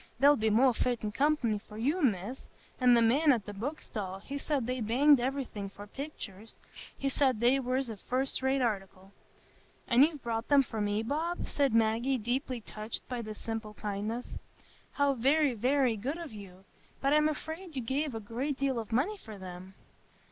They'll be more fittin' company for you, Miss; and the man at the book stall, he said they banged iverything for picturs; he said they was a fust rate article." "And you've bought them for me, Bob?" said Maggie, deeply touched by this simple kindness. "How very, very good of you! But I'm afraid you gave a great deal of money for them."